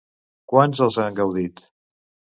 Quants els han gaudit?